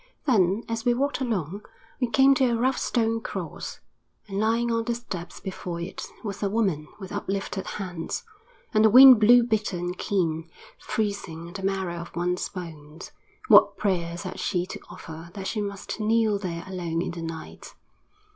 Then, as we walked along, we came to a rough stone cross, and lying on the steps before it was a woman with uplifted hands. And the wind blew bitter and keen, freezing the marrow of one's bones. What prayers had she to offer that she must kneel there alone in the night?